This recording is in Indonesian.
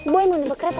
boy mau nebak reta